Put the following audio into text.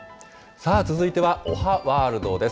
さあ、続いてはおはワールドです。